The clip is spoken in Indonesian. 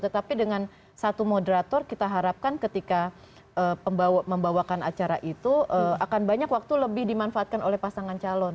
tetapi dengan satu moderator kita harapkan ketika membawakan acara itu akan banyak waktu lebih dimanfaatkan oleh pasangan calon